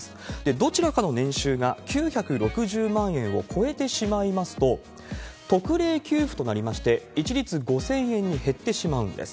どちらかの年収が９６０万円を超えてしまいますと特例給付となりまして、一律５０００円に減ってしまうんです。